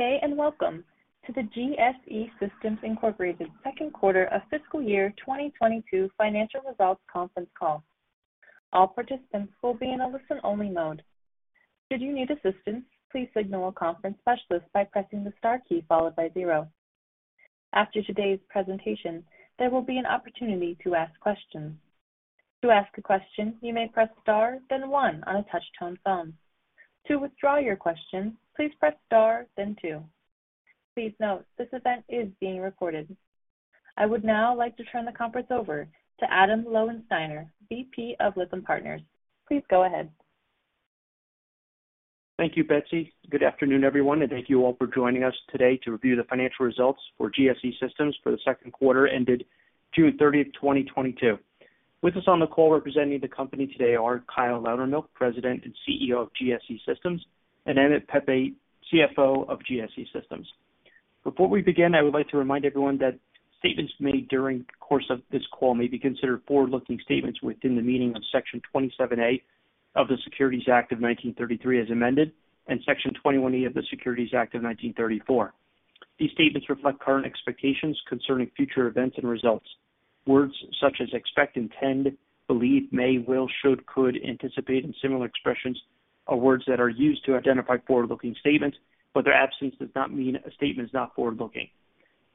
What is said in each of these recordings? Good day, and welcome to the GSE Systems, Inc. second quarter of fiscal year 2022 financial results conference call. All participants will be in a listen-only mode. Should you need assistance, please signal a conference specialist by pressing the star key followed by zero. After today's presentation, there will be an opportunity to ask questions. To ask a question, you may press Star then one on a touch-tone phone. To withdraw your question, please press Star then two. Please note, this event is being recorded. I would now like to turn the conference over to Adam Lowensteiner, VP of Lytham Partners. Please go ahead. Thank you, Betsy. Good afternoon, everyone, and thank you all for joining us today to review the financial results for GSE Systems for the second quarter ended June 30, 2022. With us on the call representing the company today are Kyle Loudermilk, President and CEO of GSE Systems, and Emmett Pepe, CFO of GSE Systems. Before we begin, I would like to remind everyone that statements made during the course of this call may be considered forward-looking statements within the meaning of Section 27A of the Securities Act of 1933, as amended, and Section 21E of the Securities Exchange Act of 1934. These statements reflect current expectations concerning future events and results. Words such as expect, intend, believe, may, will, should, could, anticipate, and similar expressions are words that are used to identify forward-looking statements, but their absence does not mean a statement is not forward-looking.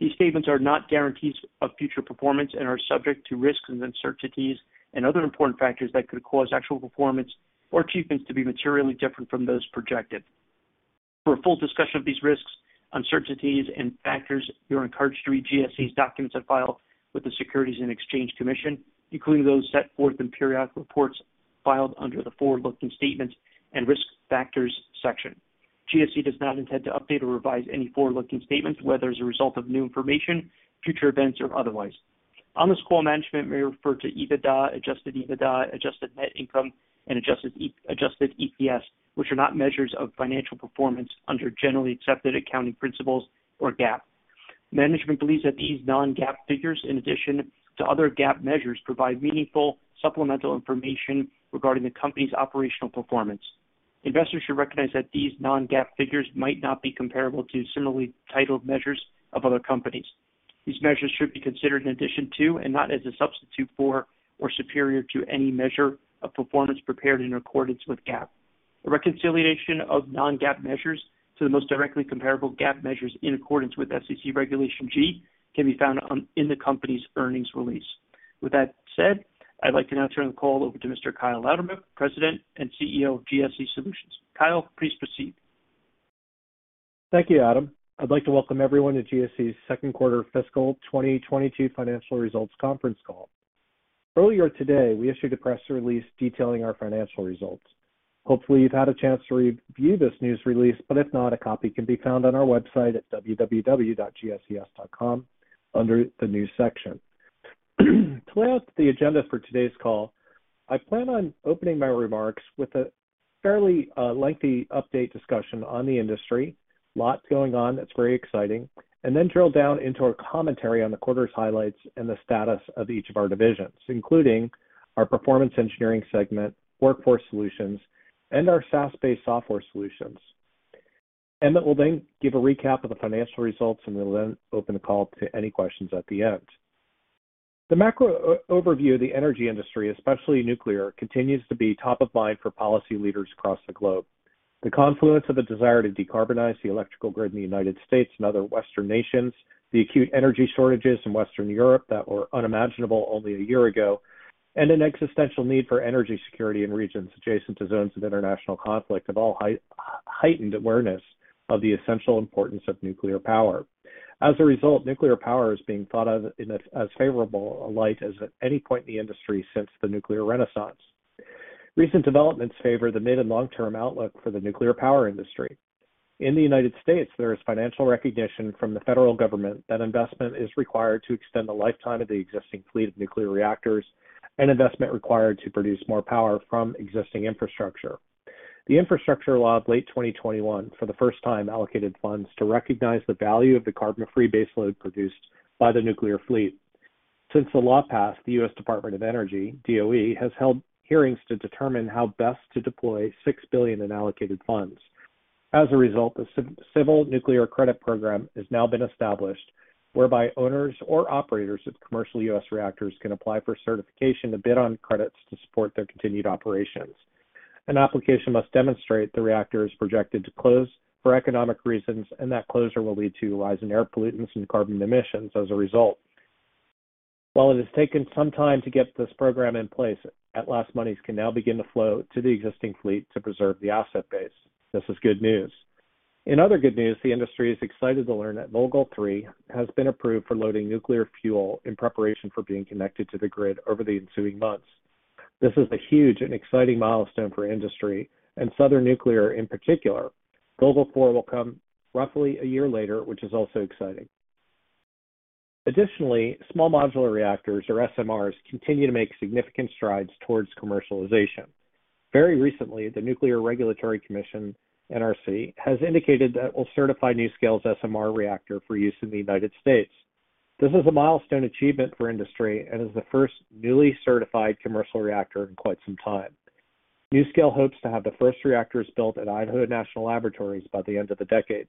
These statements are not guarantees of future performance and are subject to risks and uncertainties and other important factors that could cause actual performance or achievements to be materially different from those projected. For a full discussion of these risks, uncertainties, and factors, you're encouraged to read GSE's documents on file with the Securities and Exchange Commission, including those set forth in periodic reports filed under the Forward-Looking Statements and Risk Factors section. GSE does not intend to update or revise any forward-looking statements, whether as a result of new information, future events, or otherwise. On this call, management may refer to EBITDA, Adjusted EBITDA, adjusted net income, and adjusted EPS, which are not measures of financial performance under generally accepted accounting principles or GAAP. Management believes that these non-GAAP figures, in addition to other GAAP measures, provide meaningful supplemental information regarding the company's operational performance. Investors should recognize that these non-GAAP figures might not be comparable to similarly titled measures of other companies. These measures should be considered in addition to and not as a substitute for or superior to any measure of performance prepared in accordance with GAAP. A reconciliation of non-GAAP measures to the most directly comparable GAAP measures in accordance with SEC Regulation G can be found in the company's earnings release. With that said, I'd like to now turn the call over to Mr. Kyle Loudermilk, President and CEO of GSE Systems. Kyle, please proceed. Thank you, Adam. I'd like to welcome everyone to GSE's second quarter fiscal 2022 financial results conference call. Earlier today, we issued a press release detailing our financial results. Hopefully, you've had a chance to review this news release, but if not, a copy can be found on our website at www.gses.com under the News section. To lay out the agenda for today's call, I plan on opening my remarks with a fairly lengthy update discussion on the industry. Lot going on that's very exciting. Drill down into our commentary on the quarter's highlights and the status of each of our divisions, including our performance engineering segment, workforce solutions, and our SaaS-based software solutions. Emmett will then give a recap of the financial results, and we'll then open the call to any questions at the end. The macro overview of the energy industry, especially nuclear, continues to be top of mind for policy leaders across the globe. The confluence of a desire to decarbonize the electrical grid in the United States and other Western nations, the acute energy shortages in Western Europe that were unimaginable only a year ago, and an existential need for energy security in regions adjacent to zones of international conflict have all heightened awareness of the essential importance of nuclear power. As a result, nuclear power is being thought of in as favorable a light as at any point in the industry since the nuclear renaissance. Recent developments favor the mid and long-term outlook for the nuclear power industry. In the United States, there is financial recognition from the federal government that investment is required to extend the lifetime of the existing fleet of nuclear reactors and investment required to produce more power from existing infrastructure. The Infrastructure Law of late 2021, for the first time, allocated funds to recognize the value of the carbon-free base load produced by the nuclear fleet. Since the law passed, the U.S. Department of Energy, DOE, has held hearings to determine how best to deploy $6 billion in allocated funds. As a result, the Civil Nuclear Credit Program has now been established whereby owners or operators of commercial U.S. reactors can apply for certification to bid on credits to support their continued operations. An application must demonstrate the reactor is projected to close for economic reasons, and that closure will lead to rise in air pollutants and carbon emissions as a result. While it has taken some time to get this program in place, at last monies can now begin to flow to the existing fleet to preserve the asset base. This is good news. In other good news, the industry is excited to learn that Vogtle 3 has been approved for loading nuclear fuel in preparation for being connected to the grid over the ensuing months. This is a huge and exciting milestone for industry and Southern Nuclear in particular. Vogtle 4 will come roughly a year later, which is also exciting. Additionally, Small Modular Reactors or SMRs continue to make significant strides towards commercialization. Very recently, the Nuclear Regulatory Commission, NRC, has indicated that it will certify NuScale's SMR reactor for use in the United States. This is a milestone achievement for industry and is the first newly certified commercial reactor in quite some time. NuScale hopes to have the first reactors built at Idaho National Laboratory by the end of the decade.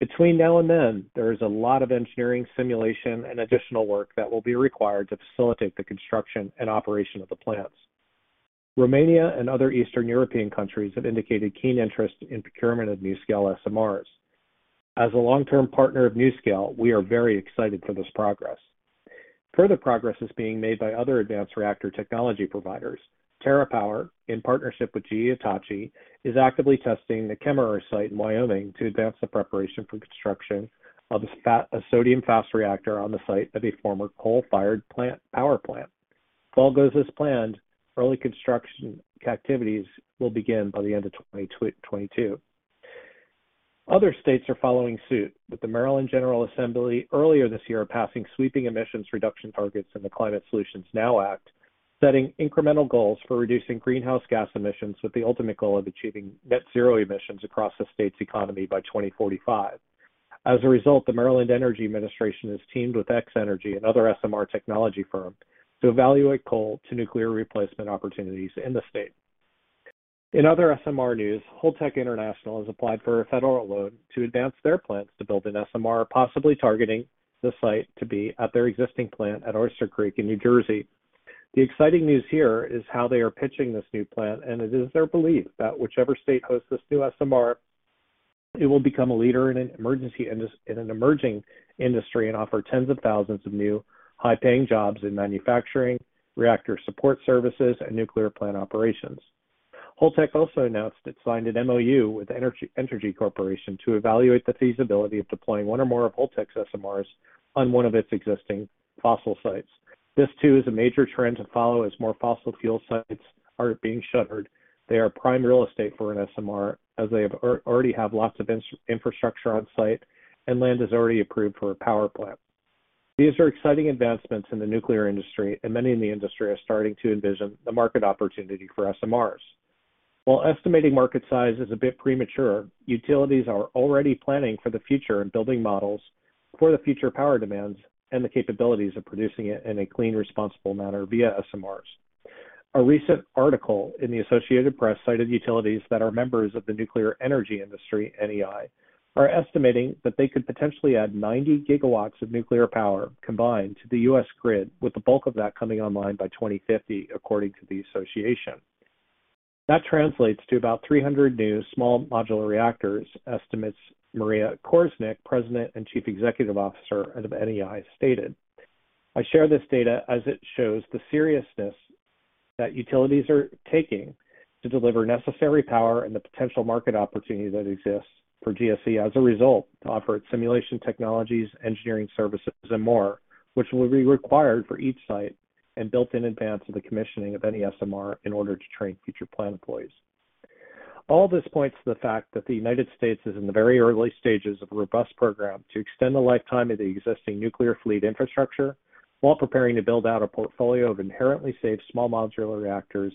Between now and then, there is a lot of engineering, simulation, and additional work that will be required to facilitate the construction and operation of the plants. Romania and other Eastern European countries have indicated keen interest in procurement of NuScale SMRs. As a long-term partner of NuScale, we are very excited for this progress. Further progress is being made by other advanced reactor technology providers. TerraPower, in partnership with GE Hitachi, is actively testing the Kemmerer site in Wyoming to advance the preparation for construction of a sodium fast reactor on the site of a former coal-fired plant. If all goes as planned, early construction activities will begin by the end of 2022. Other states are following suit, with the Maryland General Assembly earlier this year passing sweeping emissions reduction targets in the Climate Solutions Now Act, setting incremental goals for reducing greenhouse gas emissions with the ultimate goal of achieving net zero emissions across the state's economy by 2045. As a result, the Maryland Energy Administration has teamed with X-energy, another SMR technology firm, to evaluate coal to nuclear replacement opportunities in the state. In other SMR news, Holtec International has applied for a federal loan to advance their plans to build an SMR, possibly targeting the site to be at their existing plant at Oyster Creek in New Jersey. The exciting news here is how they are pitching this new plant, and it is their belief that whichever state hosts this new SMR, it will become a leader in an emerging industry and offer tens of thousands of new high-paying jobs in manufacturing, reactor support services, and nuclear plant operations. Holtec also announced it signed an MOU with Entergy Corporation to evaluate the feasibility of deploying one or more of Holtec's SMRs on one of its existing fossil sites. This too is a major trend to follow as more fossil fuel sites are being shuttered. They are prime real estate for an SMR as they already have lots of infrastructure on site, and land is already approved for a power plant. These are exciting advancements in the nuclear industry, and many in the industry are starting to envision the market opportunity for SMRs. While estimating market size is a bit premature, utilities are already planning for the future and building models for the future power demands and the capabilities of producing it in a clean, responsible manner via SMRs. A recent article in the Associated Press cited utilities that are members of the Nuclear Energy Institute, NEI, are estimating that they could potentially add 90 GW of nuclear power combined to the U.S. grid, with the bulk of that coming online by 2050, according to the association. That translates to about 300 new Small Modular Reactors, estimates Maria Korsnick, President and Chief Executive Officer of NEI, stated. I share this data as it shows the seriousness that utilities are taking to deliver necessary power and the potential market opportunity that exists for GSE as a result to offer its simulation technologies, engineering services, and more, which will be required for each site and built in advance of the commissioning of any SMR in order to train future plant employees. All this points to the fact that the United States is in the very early stages of a robust program to extend the lifetime of the existing nuclear fleet infrastructure while preparing to build out a portfolio of inherently safe small modular reactors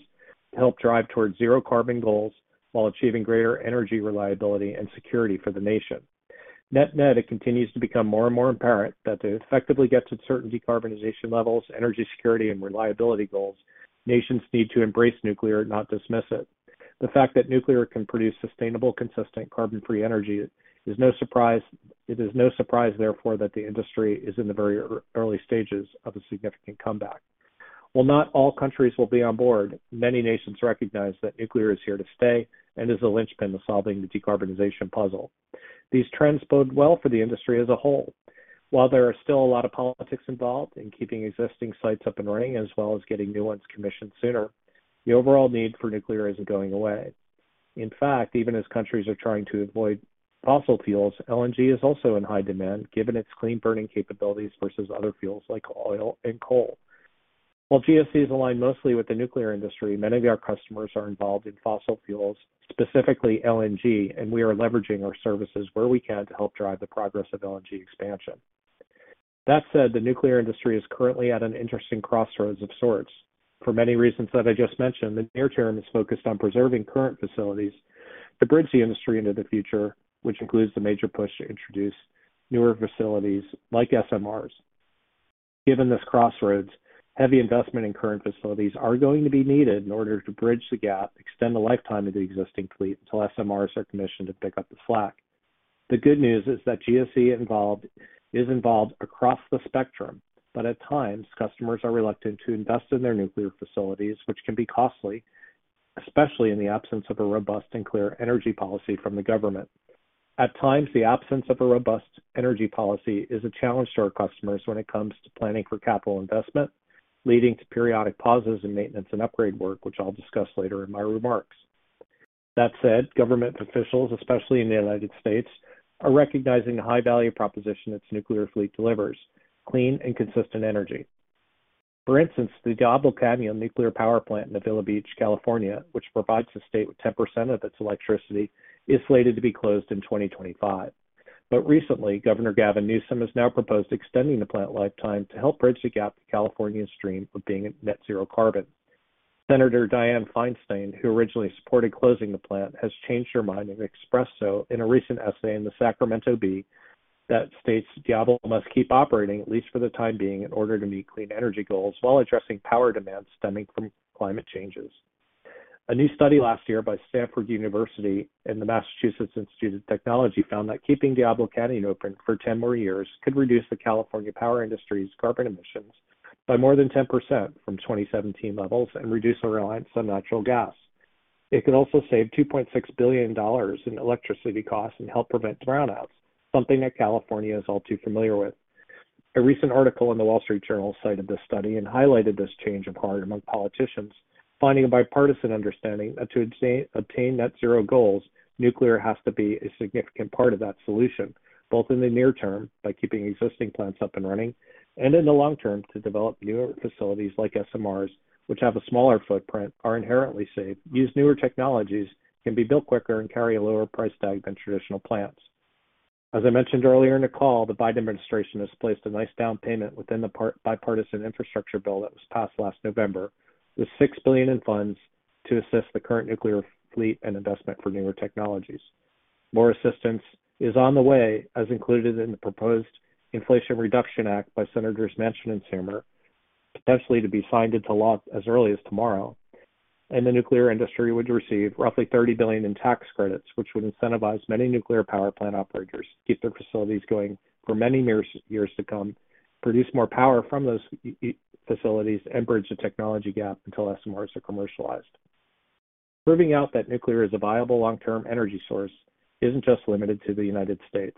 to help drive towards zero carbon goals while achieving greater energy reliability and security for the nation. Net, it continues to become more and more apparent that to effectively get to certain decarbonization levels, energy security and reliability goals, nations need to embrace nuclear, not dismiss it. The fact that nuclear can produce sustainable, consistent carbon-free energy is no surprise, it is no surprise, therefore, that the industry is in the very early stages of a significant comeback. While not all countries will be on board, many nations recognize that nuclear is here to stay and is the linchpin to solving the decarbonization puzzle. These trends bode well for the industry as a whole. While there are still a lot of politics involved in keeping existing sites up and running as well as getting new ones commissioned sooner, the overall need for nuclear isn't going away. In fact, even as countries are trying to avoid fossil fuels, LNG is also in high demand given its clean burning capabilities versus other fuels like oil and coal. While GSE is aligned mostly with the nuclear industry, many of our customers are involved in fossil fuels, specifically LNG, and we are leveraging our services where we can't help drive the progress of LNG expansion. That said, the nuclear industry is currently at an interesting crossroads of sorts. For many reasons that I just mentioned, the near term is focused on preserving current facilities to bridge the industry into the future, which includes the major push to introduce newer facilities like SMRs. Given this crossroads, heavy investment in current facilities are going to be needed in order to bridge the gap, extend the lifetime of the existing fleet until SMRs are commissioned to pick up the slack. The good news is that GSE is involved across the spectrum, but at times customers are reluctant to invest in their nuclear facilities which can be costly, especially in the absence of a robust and clear energy policy from the government. At times the absence of a robust energy policy is a challenge to our customers when it comes to planning for capital investment, leading to periodic pauses in maintenance and upgrade work which I'll discuss later in my remarks. That said, government officials, especially in the United States, are recognizing the high value proposition its nuclear fleet delivers clean and consistent energy. For instance, the Diablo Canyon Nuclear Power Plant in Avila Beach, California, which provides the state with 10% of its electricity, is slated to be closed in 2025. Recently, Governor Gavin Newsom has now proposed extending the plant lifetime to help bridge the gap to California's dream of being at net zero carbon. Senator Dianne Feinstein, who originally supported closing the plant, has changed her mind and expressed so in a recent essay in The Sacramento Bee. That states Diablo must keep operating, at least for the time being, in order to meet clean energy goals while addressing power demands stemming from climate changes. A new study last year by Stanford University and the Massachusetts Institute of Technology found that keeping Diablo Canyon open for 10 more years could reduce the California power industry's carbon emissions by more than 10% from 2017 levels and reduce our reliance on natural gas. It could also save $2.6 billion in electricity costs and help prevent brownouts, something that California is all too familiar with. A recent article in The Wall Street Journal cited this study and highlighted this change of heart among politicians, finding a bipartisan understanding that to obtain net zero goals, nuclear has to be a significant part of that solution, both in the near term by keeping existing plants up and running, and in the long term to develop newer facilities like SMRs, which have a smaller footprint, are inherently safe, use newer technologies, can be built quicker, and carry a lower price tag than traditional plants. As I mentioned earlier in the call, the Biden administration has placed a nice down payment within the bipartisan infrastructure bill that was passed last November, with $6 billion in funds to assist the current nuclear fleet and investment for newer technologies. More assistance is on the way, as included in the proposed Inflation Reduction Act by Senators Manchin and Schumer, potentially to be signed into law as early as tomorrow. The nuclear industry would receive roughly $30 billion in tax credits, which would incentivize many nuclear power plant operators to keep their facilities going for many years to come, produce more power from those facilities, and bridge the technology gap until SMRs are commercialized. Proving out that nuclear is a viable long-term energy source isn't just limited to the United States.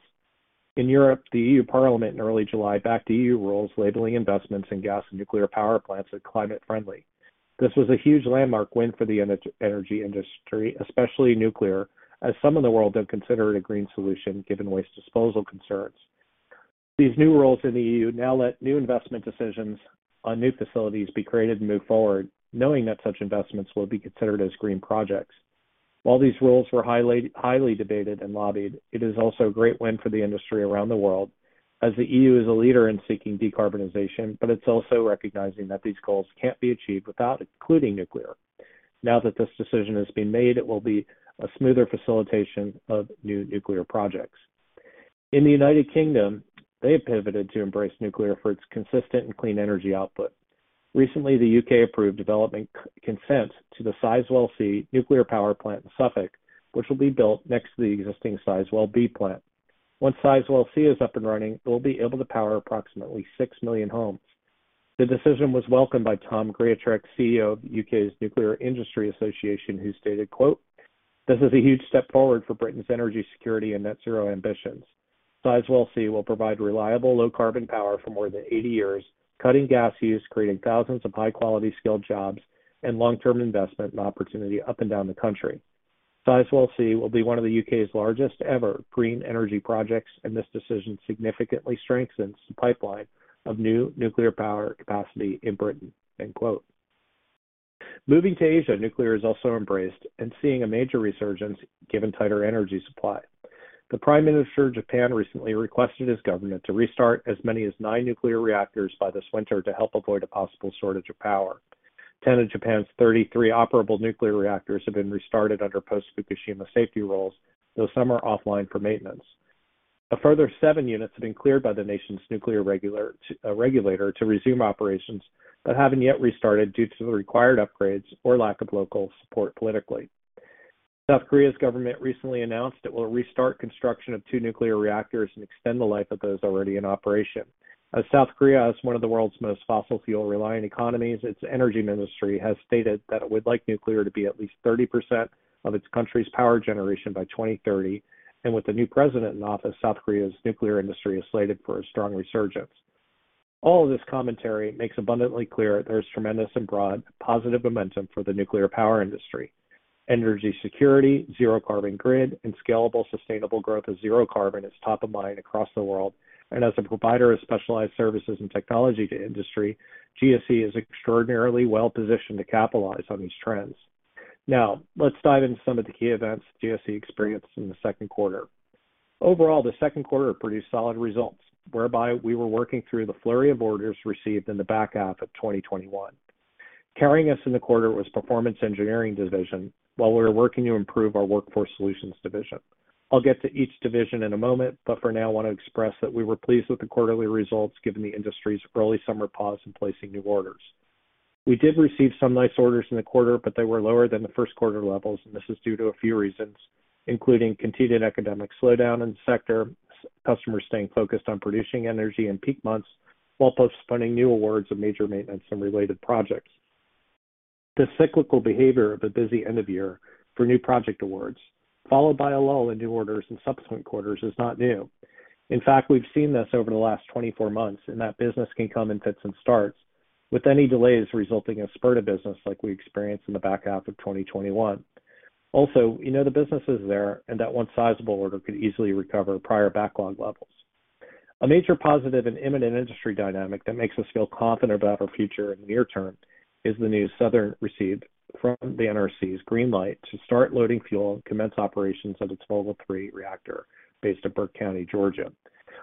In Europe, the European Parliament in early July backed E.U. rules labeling investments in gas and nuclear power plants as climate friendly. This was a huge landmark win for the energy industry, especially nuclear, as some in the world don't consider it a green solution, given waste disposal concerns. .These new rules in the E.U. now let new investment decisions on new facilities be created and move forward, knowing that such investments will be considered as green projects. While these rules were highly debated and lobbied, it is also a great win for the industry around the world as the E.U. is a leader in seeking decarbonization, but it's also recognizing that these goals can't be achieved without including nuclear. Now that this decision has been made, it will be a smoother facilitation of new nuclear projects. In the United Kingdom, they've pivoted to embrace nuclear for its consistent and clean energy output. Recently, the U.K. Approved development consent to the Sizewell C nuclear power plant in Suffolk, which will be built next to the existing Sizewell B plant. Once Sizewell C is up and running, it will be able to power approximately six million homes. The decision was welcomed by Tom Greatrex, CEO of the UK's Nuclear Industry Association, who stated, quote, "This is a huge step forward for Britain's energy security and net zero ambitions. Sizewell C will provide reliable, low carbon power for more than 80 years, cutting gas use, creating thousands of high-quality skilled jobs and long-term investment and opportunity up and down the country. Sizewell C will be one of the UK's largest ever green energy projects, and this decision significantly strengthens the pipeline of new nuclear power capacity in Britain." End quote. Moving to Asia, nuclear is also embraced and seeing a major resurgence given tighter energy supply. The Prime Minister of Japan recently requested his government to restart as many as nine nuclear reactors by this winter to help avoid a possible shortage of power. 10 of Japan's 33 operable nuclear reactors have been restarted under post-Fukushima safety rules, though some are offline for maintenance. A further seven units have been cleared by the nation's nuclear regulator to resume operations but haven't yet restarted due to the required upgrades or lack of local support politically. South Korea's government recently announced it will restart construction of two nuclear reactors and extend the life of those already in operation. As South Korea has one of the world's most fossil fuel reliant economies, its energy ministry has stated that it would like nuclear to be at least 30% of its country's power generation by 2030. With the new president in office, South Korea's nuclear industry is slated for a strong resurgence. All of this commentary makes abundantly clear there is tremendous and broad positive momentum for the nuclear power industry. Energy security, zero carbon grid, and scalable, sustainable growth of zero carbon is top of mind across the world. As a provider of specialized services and technology to industry, GSE is extraordinarily well positioned to capitalize on these trends. Now, let's dive into some of the key events GSE experienced in the second quarter. Overall, the second quarter produced solid results whereby we were working through the flurry of orders received in the back half of 2021. Carrying us in the quarter was Performance Engineering Division while we were working to improve our Workforce Solutions division. I'll get to each division in a moment, but for now I want to express that we were pleased with the quarterly results given the industry's early summer pause in placing new orders. We did receive some nice orders in the quarter, but they were lower than the first quarter levels, and this is due to a few reasons, including continued economic slowdown in the sector, customers staying focused on producing energy in peak months while postponing new awards of major maintenance and related projects. The cyclical behavior of a busy end of year for new project awards followed by a lull in new orders in subsequent quarters is not new. In fact, we've seen this over the last 24 months, and that business can come in fits and starts, with any delays resulting in a spurt of business like we experienced in the back half of 2021. Also, we know the business is there and that one sizable order could easily recover prior backlog levels. A major positive and imminent industry dynamic that makes us feel confident about our future in the near term is the news Southern received from the NRC's green light to start loading fuel and commence operations of its Vogtle 3 reactor based at Burke County, Georgia.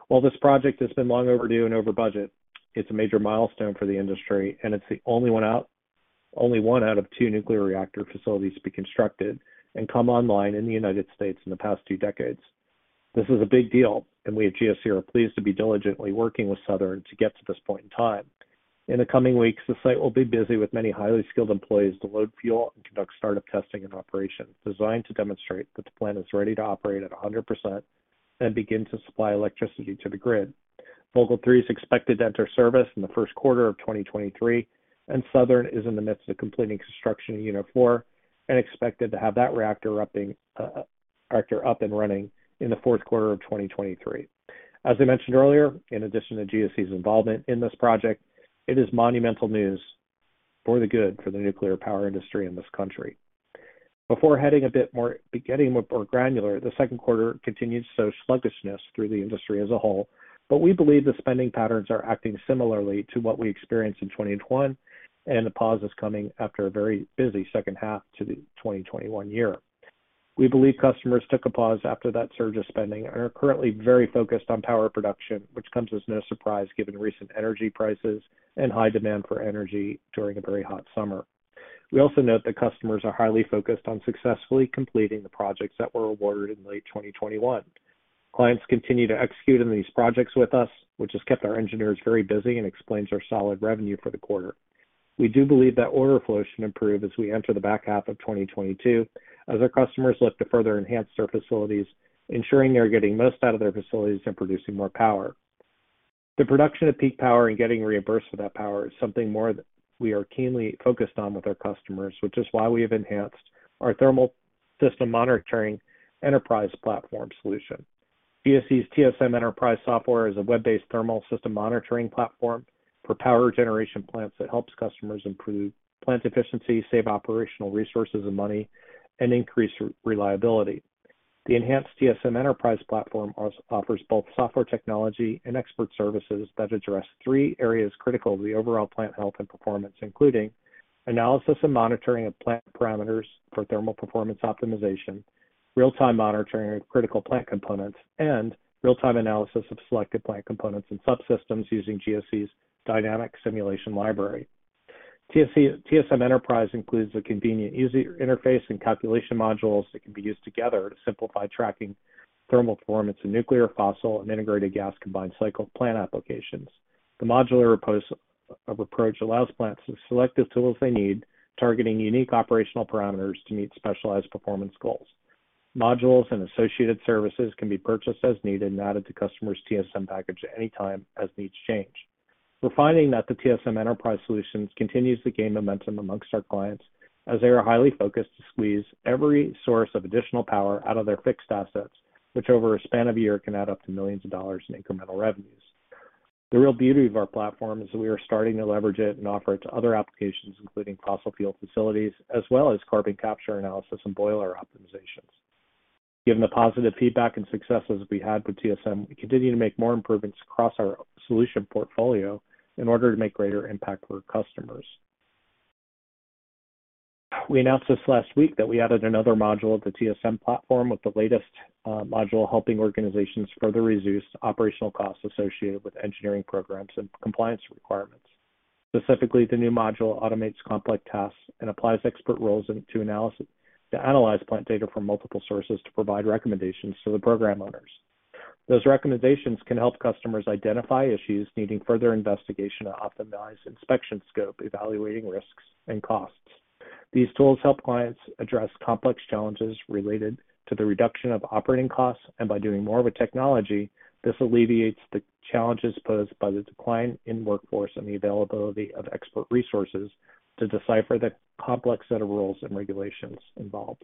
While this project has been long overdue and over budget, it's a major milestone for the industry, and it's the only one out of two nuclear reactor facilities to be constructed and come online in the United States in the past two decades. This is a big deal, and we at GSE are pleased to be diligently working with Southern to get to this point in time. In the coming weeks, the site will be busy with many highly skilled employees to load fuel and conduct startup testing and operations designed to demonstrate that the plant is ready to operate at 100% and begin to supply electricity to the grid. Vogtle 3 is expected to enter service in the first quarter of 2023, and Southern is in the midst of completing construction of unit four and expected to have that reactor up and running in the fourth quarter of 2023. As I mentioned earlier, in addition to GSE's involvement in this project, it is monumental news for the good for the nuclear power industry in this country. Before getting more granular, the second quarter continues to show sluggishness through the industry as a whole, but we believe the spending patterns are acting similarly to what we experienced in 2021, and the pause is coming after a very busy second half to the 2021 year. We believe customers took a pause after that surge of spending and are currently very focused on power production, which comes as no surprise given recent energy prices and high demand for energy during a very hot summer. We also note that customers are highly focused on successfully completing the projects that were awarded in late 2021. Clients continue to execute on these projects with us, which has kept our engineers very busy and explains our solid revenue for the quarter. We do believe that order flow should improve as we enter the back half of 2022 as our customers look to further enhance their facilities, ensuring they are getting most out of their facilities and producing more power. The production of peak power and getting reimbursed for that power is something more that we are keenly focused on with our customers, which is why we have enhanced our thermal system monitoring enterprise platform solution. GSE's TSM Enterprise software is a web-based thermal system monitoring platform for power generation plants that helps customers improve plant efficiency, save operational resources and money, and increase reliability. The enhanced TSM Enterprise platform also offers both software technology and expert services that address three areas critical to the overall plant health and performance, including analysis and monitoring of plant parameters for thermal performance optimization, real-time monitoring of critical plant components, and real-time analysis of selected plant components and subsystems using GSE's dynamic simulation library. TSM Enterprise includes a convenient, easy interface and calculation modules that can be used together to simplify tracking thermal performance in nuclear, fossil, and integrated gas combined cycle plant applications. The modular approach allows plants to select the tools they need, targeting unique operational parameters to meet specialized performance goals. Modules and associated services can be purchased as needed and added to customers' TSM package at any time as needs change. We're finding that the TSM Enterprise solutions continues to gain momentum among our clients as they are highly focused to squeeze every source of additional power out of their fixed assets, which over a span of a year can add up to millions of dollars in incremental revenues. The real beauty of our platform is that we are starting to leverage it and offer it to other applications, including fossil fuel facilities as well as Carbon Capture analysis and boiler optimizations. Given the positive feedback and successes we had with TSM, we continue to make more improvements across our solution portfolio in order to make greater impact for our customers. We announced this last week that we added another module of the TSM platform with the latest module helping organizations further reduce operational costs associated with engineering programs and compliance requirements. Specifically, the new module automates complex tasks and applies expert rules into analysis to analyze plant data from multiple sources to provide recommendations to the program owners. Those recommendations can help customers identify issues needing further investigation to optimize inspection scope, evaluating risks and costs. These tools help clients address complex challenges related to the reduction of operating costs, and by doing more with technology, this alleviates the challenges posed by the decline in workforce and the availability of expert resources to decipher the complex set of rules and regulations involved.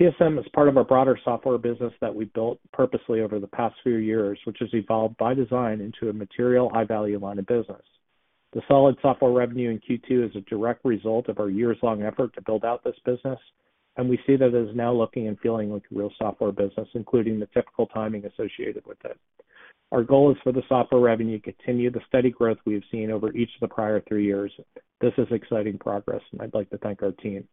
TSM is part of our broader software business that we built purposely over the past few years, which has evolved by design into a material high-value line of business. The solid software revenue in Q2 is a direct result of our years-long effort to build out this business, and we see that it is now looking and feeling like a real software business, including the typical timing associated with it. Our goal is for the software revenue to continue the steady growth we have seen over each of the prior three years. This is exciting progress, and I'd like to thank our team.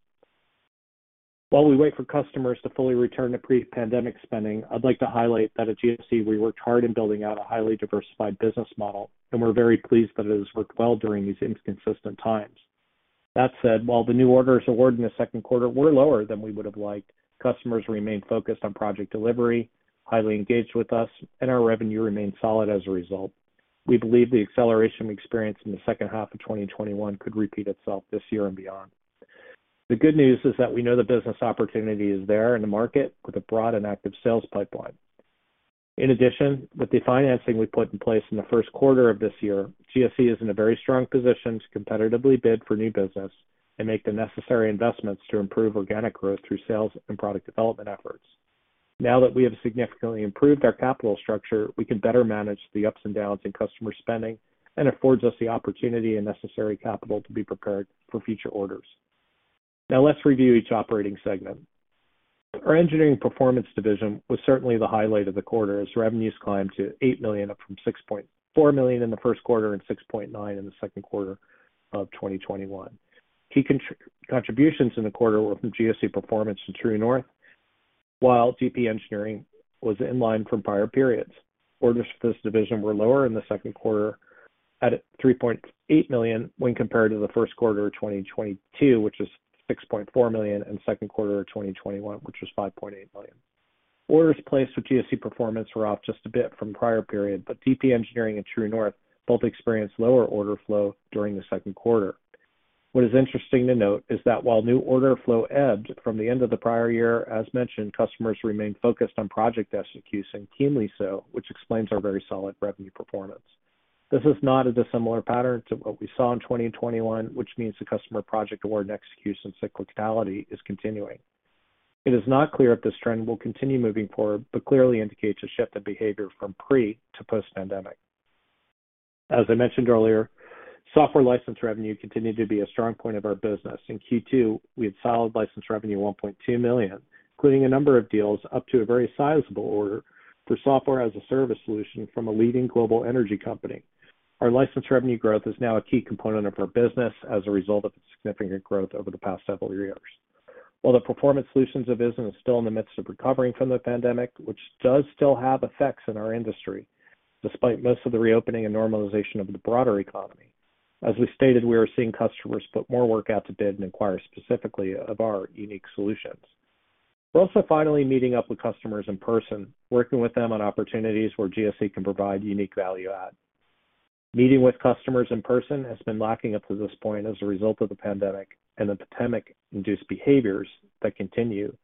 While we wait for customers to fully return to pre-pandemic spending, I'd like to highlight that at GSE, we worked hard in building out a highly diversified business model, and we're very pleased that it has worked well during these inconsistent times. That said, while the new orders awarded in the second quarter were lower than we would have liked, customers remained focused on project delivery, highly engaged with us, and our revenue remained solid as a result. We believe the acceleration we experienced in the second half of 2021 could repeat itself this year and beyond. The good news is that we know the business opportunity is there in the market with a broad and active sales pipeline. In addition, with the financing we put in place in the first quarter of this year, GSE is in a very strong position to competitively bid for new business and make the necessary investments to improve organic growth through sales and product development efforts. Now that we have significantly improved our capital structure, we can better manage the ups and downs in customer spending and affords us the opportunity and necessary capital to be prepared for future orders. Now let's review each operating segment. Our engineering performance division was certainly the highlight of the quarter as revenues climbed to $8 million, up from $6.4 million in the first quarter and $6.9 million in the second quarter of 2021. Key contributions in the quarter were from GSE Performance and True North. While GSE Engineering was in line from prior periods. Orders for this division were lower in the second quarter at $3.8 million when compared to the first quarter of 2022, which is $6.4 million, and second quarter of 2021, which was $5.8 million. Orders placed with GSE Performance were off just a bit from prior period, but GSE Engineering and True North both experienced lower order flow during the second quarter. What is interesting to note is that while new order flow ebbed from the end of the prior year, as mentioned, customers remained focused on project execution, keenly so, which explains our very solid revenue performance. This is not a dissimilar pattern to what we saw in 2021, which means the customer project award and execution cyclicality is continuing. It is not clear if this trend will continue moving forward, but clearly indicates a shift in behavior from pre- to post-pandemic. As I mentioned earlier, software license revenue continued to be a strong point of our business. In Q2, we had solid license revenue at $1.2 million, including a number of deals up to a very sizable order for Software as a Service solution from a leading global energy company. Our license revenue growth is now a key component of our business as a result of its significant growth over the past several years. While the Performance Solutions business is still in the midst of recovering from the pandemic, which does still have effects in our industry, despite most of the reopening and normalization of the broader economy. As we stated, we are seeing customers put more work out to bid and inquire specifically of our unique solutions. We're also finally meeting up with customers in person, working with them on opportunities where GSE can provide unique value add. Meeting with customers in person has been lacking up to this point as a result of the pandemic and the pandemic-induced behaviors that continue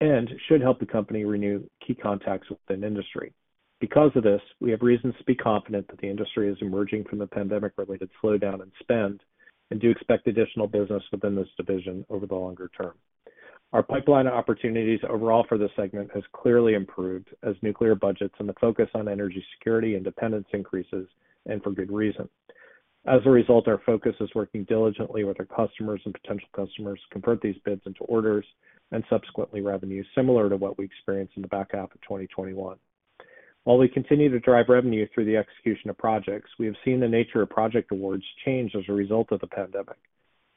and should help the company renew key contacts within industry. Because of this, we have reasons to be confident that the industry is emerging from the pandemic-related slowdown in spend and do expect additional business within this division over the longer term. Our pipeline of opportunities overall for this segment has clearly improved as nuclear budgets and the focus on energy security and independence increases and for good reason. As a result, our focus is working diligently with our customers and potential customers to convert these bids into orders and subsequently revenues similar to what we experienced in the back half of 2021. While we continue to drive revenue through the execution of projects, we have seen the nature of project awards change as a result of the pandemic.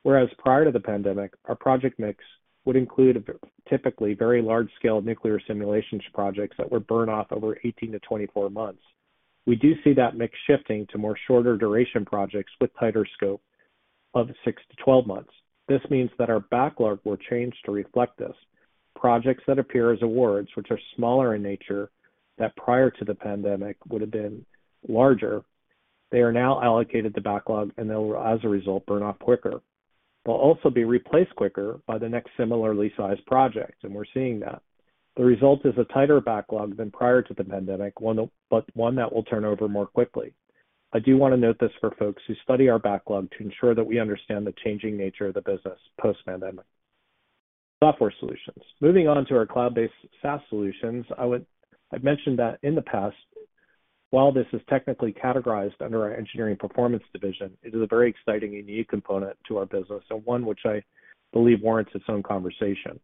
Whereas prior to the pandemic, our project mix would include a typically very large-scale nuclear simulations projects that were burned off over 18-24 months. We do see that mix shifting to more shorter duration projects with tighter scope of six to 12 months. This means that our backlog will change to reflect this. Projects that appear as awards, which are smaller in nature, that prior to the pandemic would have been larger, they are now allocated to backlog and they'll, as a result, burn off quicker. They'll also be replaced quicker by the next similarly sized project, and we're seeing that. The result is a tighter backlog than prior to the pandemic, one, but one that will turn over more quickly. I do want to note this for folks who study our backlog to ensure that we understand the changing nature of the business post-pandemic. Software solutions. Moving on to our cloud-based SaaS solutions, I've mentioned that in the past, while this is technically categorized under our engineering performance division, it is a very exciting and unique component to our business and one which I believe warrants its own conversation.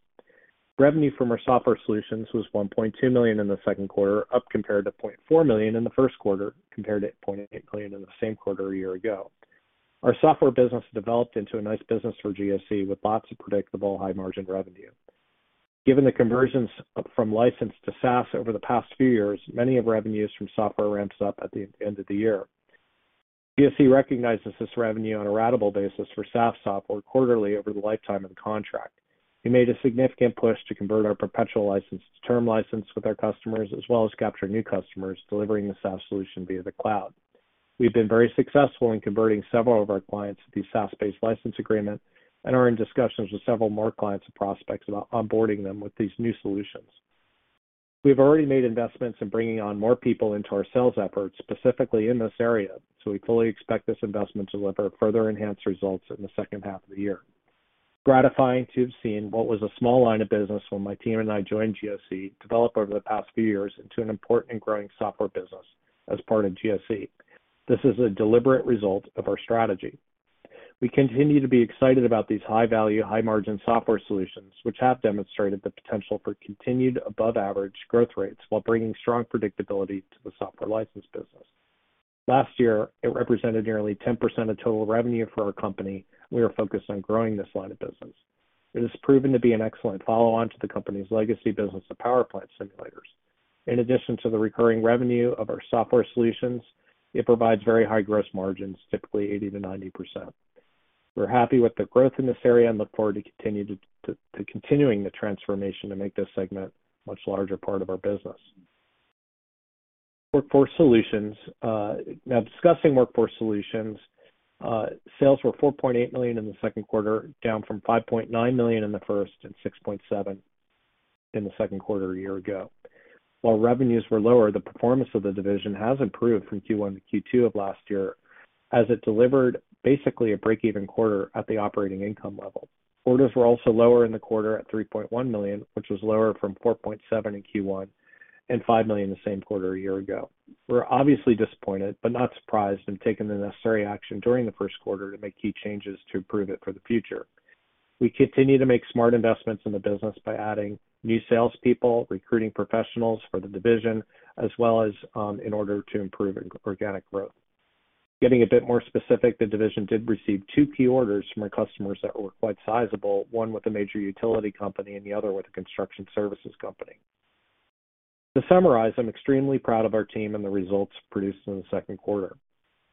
Revenue from our software solutions was $1.2 million in the second quarter, up compared to $0.4 million in the first quarter, compared to $0.8 million in the same quarter a year ago. Our software business developed into a nice business for GSE with lots of predictable high margin revenue. Given the conversions from licensed to SaaS over the past few years, many of revenues from software ramps up at the end of the year. GSE recognizes this revenue on a ratable basis for SaaS software quarterly over the lifetime of the contract. We made a significant push to convert our perpetual license to term license with our customers, as well as capture new customers delivering the SaaS solution via the cloud. We've been very successful in converting several of our clients to these SaaS-based license agreement and are in discussions with several more clients and prospects about onboarding them with these new solutions. We've already made investments in bringing on more people into our sales efforts, specifically in this area, so we fully expect this investment to deliver further enhanced results in the second half of the year. Gratifying to have seen what a small line of business was when my team and I joined GSE develop over the past few years into an important and growing software business as part of GSE. This is a deliberate result of our strategy. We continue to be excited about these high-value, high-margin software solutions, which have demonstrated the potential for continued above average growth rates while bringing strong predictability to the software license business. Last year, it represented nearly 10% of total revenue for our company. We are focused on growing this line of business. It has proven to be an excellent follow-on to the company's legacy business of power plant simulators. In addition to the recurring revenue of our software solutions, it provides very high gross margins, typically 80%-90%. We're happy with the growth in this area and look forward to continuing the transformation to make this segment a much larger part of our business. Workforce Solutions. Now discussing Workforce Solutions, sales were $4.8 million in the second quarter, down from $5.9 million in the first and $6.7 million in the second quarter a year ago. While revenues were lower, the performance of the division has improved from Q1 to Q2 of last year, as it delivered basically a break-even quarter at the operating income level. Orders were also lower in the quarter at $3.1 million, which was lower from $4.7 million in Q1 and $5 million the same quarter a year ago. We're obviously disappointed but not surprised, and taken the necessary action during the first quarter to make key changes to improve it for the future. We continue to make smart investments in the business by adding new salespeople, recruiting professionals for the division, as well as, in order to improve organic growth. Getting a bit more specific, the division did receive two key orders from our customers that were quite sizable. One with a major utility company and the other with a construction services company. To summarize, I'm extremely proud of our team and the results produced in the second quarter.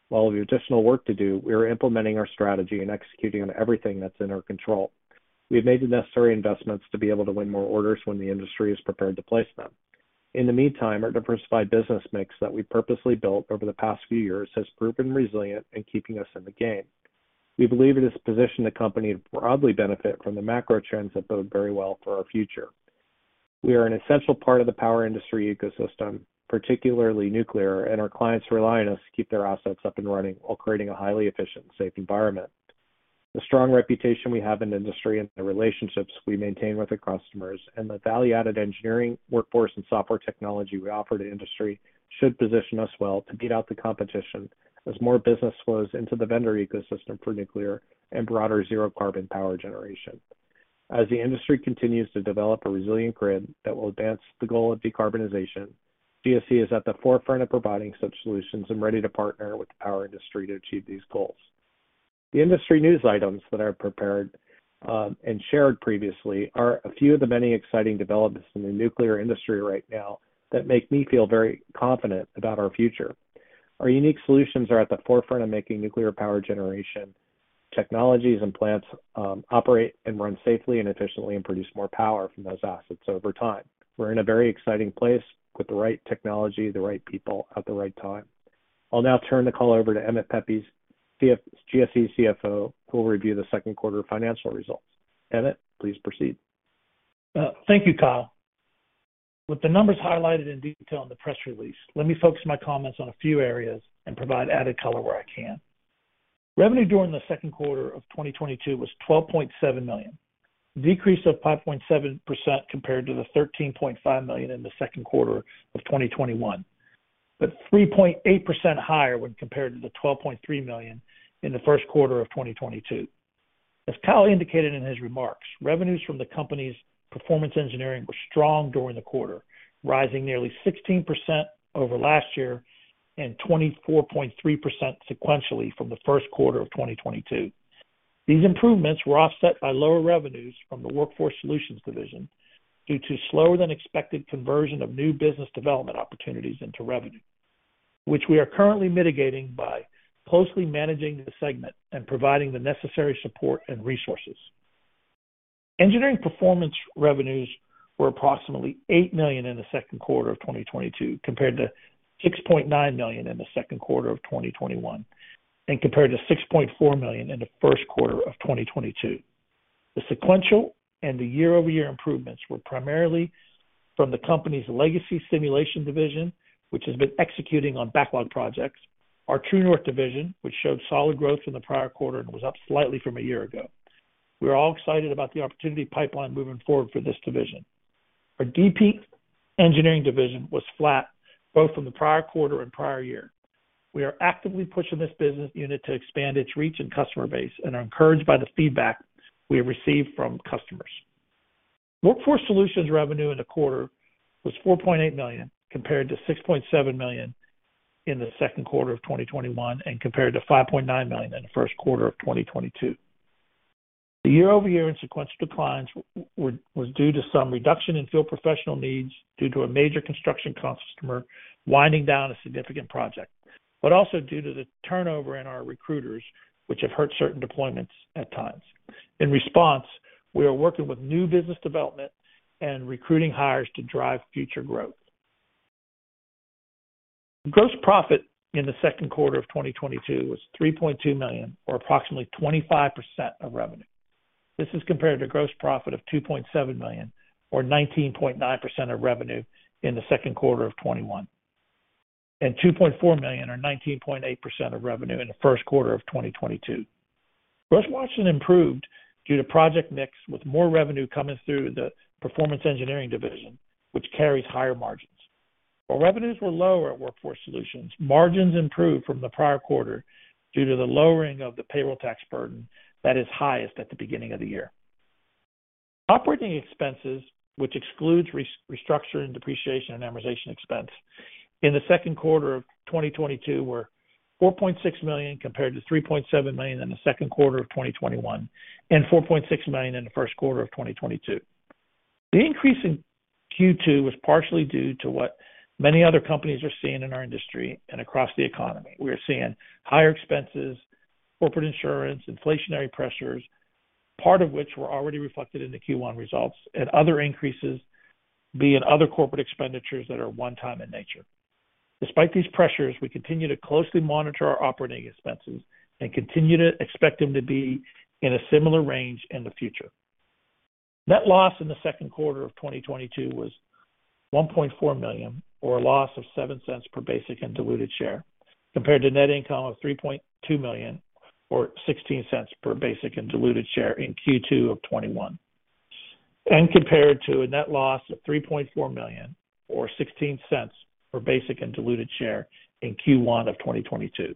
While we have additional work to do, we are implementing our strategy and executing on everything that's in our control. We have made the necessary investments to be able to win more orders when the industry is prepared to place them. In the meantime, our diversified business mix that we purposely built over the past few years has proven resilient in keeping us in the game. We believe it has positioned the company to broadly benefit from the macro trends that bode very well for our future. We are an essential part of the power industry ecosystem, particularly nuclear, and our clients rely on us to keep their assets up and running while creating a highly efficient, safe environment. The strong reputation we have in the industry and the relationships we maintain with our customers, and the value-added engineering workforce and software technology we offer to industry should position us well to beat out the competition as more business flows into the vendor ecosystem for nuclear and broader zero carbon power generation. As the industry continues to develop a resilient grid that will advance the goal of decarbonization, GSE is at the forefront of providing such solutions and ready to partner with the power industry to achieve these goals. The industry news items that I've prepared and shared previously are a few of the many exciting developments in the nuclear industry right now that make me feel very confident about our future. Our unique solutions are at the forefront of making nuclear power generation technologies and plants operate and run safely and efficiently and produce more power from those assets over time. We're in a very exciting place with the right technology, the right people at the right time. I'll now turn the call over to Emmett Pepe, GSE CFO, who will review the second quarter financial results. Emmett, please proceed. Thank you, Kyle. With the numbers highlighted in detail in the press release, let me focus my comments on a few areas and provide added color where I can. Revenue during the second quarter of 2022 was $12.7 million, a decrease of 5.7% compared to the $13.5 million in the second quarter of 2021, but 3.8% higher when compared to the $12.3 million in the first quarter of 2022. As Kyle indicated in his remarks, revenues from the company's Performance Engineering were strong during the quarter, rising nearly 16% over last year and 24.3% sequentially from the first quarter of 2022. These improvements were offset by lower revenues from the Workforce Solutions division due to slower than expected conversion of new business development opportunities into revenue, which we are currently mitigating by closely managing the segment and providing the necessary support and resources. Engineering performance revenues were approximately $8 million in the second quarter of 2022, compared to $6.9 million in the second quarter of 2021, and compared to $6.4 million in the first quarter of 2022. The sequential and the year-over-year improvements were primarily from the company's legacy simulation division, which has been executing on backlog projects. Our True North division, which showed solid growth from the prior quarter and was up slightly from a year ago. We are all excited about the opportunity pipeline moving forward for this division. Our DP Engineering division was flat both from the prior quarter and prior year. We are actively pushing this business unit to expand its reach and customer base and are encouraged by the feedback we have received from customers. Workforce Solutions revenue in the quarter was $4.8 million, compared to $6.7 million in the second quarter of 2021, and compared to $5.9 million in the first quarter of 2022. The year-over-year and sequential declines was due to some reduction in field professional needs due to a major construction customer winding down a significant project, but also due to the turnover in our recruiters, which have hurt certain deployments at times. In response, we are working with new business development and recruiting hires to drive future growth. Gross profit in the second quarter of 2022 was $3.2 million, or approximately 25% of revenue. This is compared to gross profit of $2.7 million, or 19.9% of revenue in the second quarter of 2021, and $2.4 million or 19.8% of revenue in the first quarter of 2022. Gross margin improved due to project mix, with more revenue coming through the Performance Engineering division, which carries higher margins. While revenues were lower at Workforce Solutions, margins improved from the prior quarter due to the lowering of the payroll tax burden that is highest at the beginning of the year. Operating expenses, which excludes restructuring, depreciation, and amortization expense in the second quarter of 2022 were $4.6 million, compared to $3.7 million in the second quarter of 2021, and $4.6 million in the first quarter of 2022. The increase in Q2 was partially due to what many other companies are seeing in our industry and across the economy. We are seeing higher expenses, corporate insurance, inflationary pressures, part of which were already reflected in the Q1 results, and other increases being other corporate expenditures that are one-time in nature. Despite these pressures, we continue to closely monitor our operating expenses and continue to expect them to be in a similar range in the future. Net loss in the second quarter of 2022 was $1.4 million, or a loss of $0.07 per basic and diluted share, compared to net income of $3.2 million or $0.16 per basic and diluted share in Q2 of 2021. Compared to a net loss of $3.4 million or $0.16 per basic and diluted share in Q1 of 2022.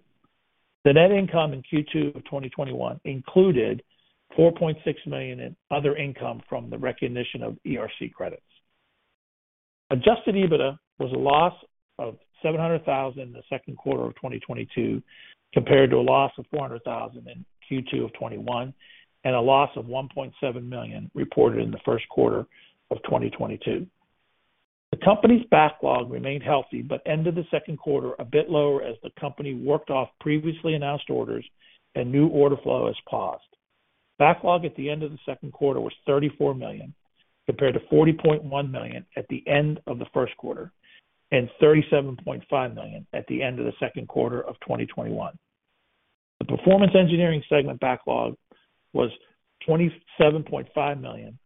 The net income in Q2 of 2021 included $4.6 million in other income from the recognition of ERC credits. Adjusted EBITDA was a loss of $700,000 in the second quarter of 2022, compared to a loss of $400,000 in Q2 of 2021, and a loss of $1.7 million reported in the first quarter of 2022. The company's backlog remained healthy but ended the second quarter a bit lower as the company worked off previously announced orders and new order flow has paused. Backlog at the end of the second quarter was $34 million, compared to $40.1 million at the end of the first quarter, and $37.5 million at the end of the second quarter of 2021. The Performance Engineering segment backlog was $27.5 million,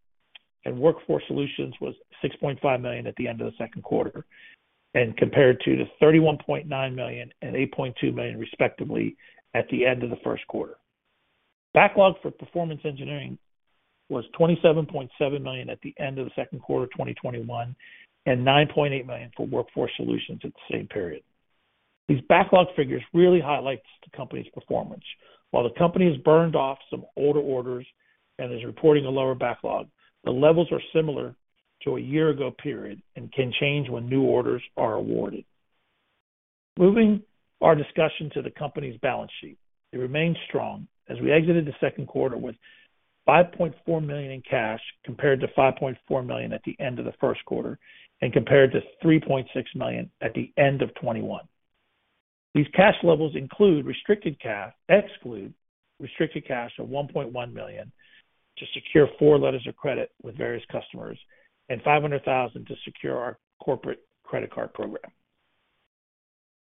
and Workforce Solutions was $6.5 million at the end of the second quarter, and compared to the $31.9 million and $8.2 million, respectively, at the end of the first quarter. Backlog for Performance Engineering was $27.7 million at the end of the second quarter of 2021, and $9.8 million for Workforce Solutions at the same period. These backlog figures really highlight the company's performance. While the company has burned off some older orders and is reporting a lower backlog, the levels are similar to a year-ago period and can change when new orders are awarded. Moving our discussion to the company's balance sheet, it remains strong as we exited the second quarter with $5.4 million in cash, compared to $5.4 million at the end of the first quarter, and compared to $3.6 million at the end of 2021. These cash levels exclude restricted cash of $1.1 million to secure four letters of credit with various customers and $500,000 to secure our corporate credit card program.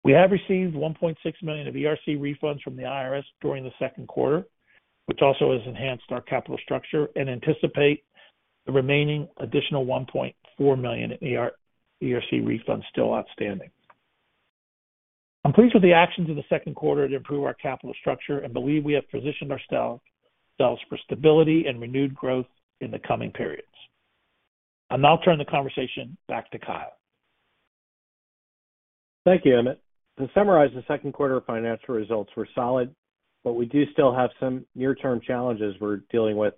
We have received $1.6 million of ERC refunds from the IRS during the second quarter, which also has enhanced our capital structure and anticipate the remaining additional $1.4 million ERC refunds still outstanding. I'm pleased with the actions of the second quarter to improve our capital structure and believe we have positioned ourselves for stability and renewed growth in the coming periods. I'll now turn the conversation back to Kyle. Thank you, Emmett. To summarize, the second quarter financial results were solid, but we do still have some near-term challenges we're dealing with,